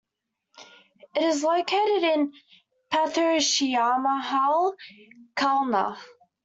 It is located at Pathuriyamahal, Kalna.